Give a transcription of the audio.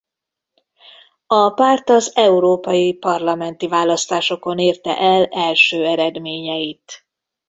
A párt az európai parlamenti választásokon érte el első eredményeit.